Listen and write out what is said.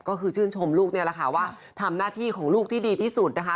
ก็คือชื่นชมลูกนี่แหละค่ะว่าทำหน้าที่ของลูกที่ดีที่สุดนะคะ